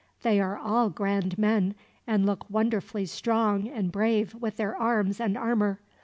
They are all grand men, and look wonderfully strong and brave with their arms and armor.